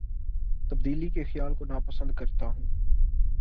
تبدیلی کے خیال کو نا پسند کرتا ہوں